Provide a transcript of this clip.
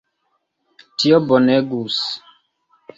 Tio bonegus!